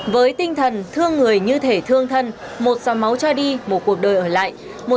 với tinh thần thương người như thể thương thân một dòng máu cho đi một cuộc đời ở lại